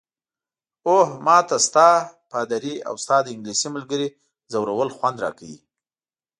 اوه، ما ته ستا، پادري او ستا د انګلیسۍ ملګرې ځورول خوند راکوي.